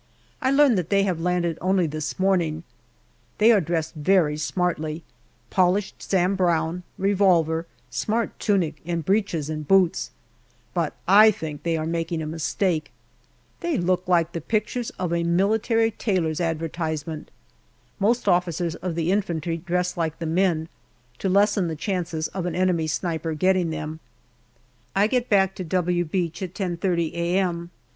I learn that they have landed only this morning. They are dressed very smartly ; polished Sam Brown, revolver, smart tunic and breeches and boots, but I think they are making a mistake. They look like the pictures of a military tailor's advertisement. Most officers of the infantry dress like the men, to lessen the chances of an enemy sniper getting them. I get back to " W " Beach at 10.30 a.m.